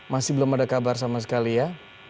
masih belum ada kabar sama sekali ya